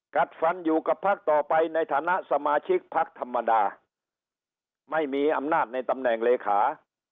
กัดฟันอยู่กับพักต่อไปในฐานะสมาชิกพักธรรมดาไม่มีอำนาจในตำแหน่งเลขา